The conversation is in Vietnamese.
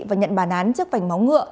và nhận bàn án trước vành máu ngựa